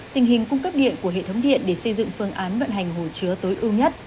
tình hình cung cấp điện của hệ thống điện để xây dựng phương án vận hành hồ chứa tối ưu nhất